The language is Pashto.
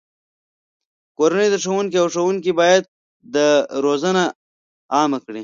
کورنۍ، ښوونکي، او ښوونځي باید دا روزنه عامه کړي.